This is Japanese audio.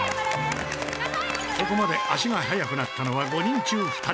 ここまで足が速くなったのは５人中２人。